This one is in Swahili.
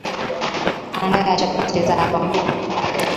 andaa chapati zako